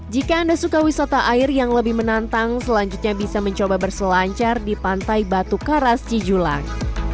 jika anda suka wisata air yang lebih menantang selanjutnya bisa mencoba berselancar di pantai batu karas cijulang